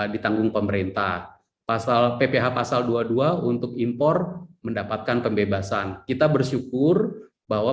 ditanggung pemerintah pasal pph pasal dua puluh dua untuk impor mendapatkan pembebasan kita bersyukur bahwa